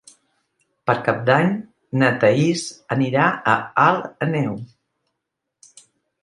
Per Cap d'Any na Thaís anirà a Alt Àneu.